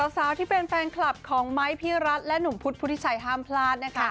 สาวที่เป็นแฟนคลับของไม้พี่รัฐและหนุ่มพุทธพุทธิชัยห้ามพลาดนะคะ